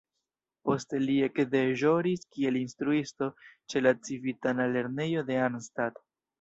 Poste li ekdeĵoris kiel instruisto ĉe la civitana lernejo de Arnstadt.